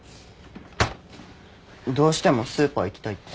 どうしてもスーパー行きたいって。